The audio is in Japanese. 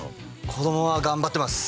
子供は頑張ってます